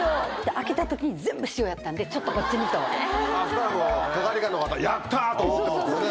開けた時に全部塩やったんで「ちょっとこっちに」と。係官の方「やった！」と思ってますよね。